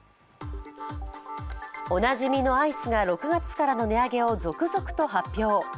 おなじみのアイスが６月からの値上げを続々と発表。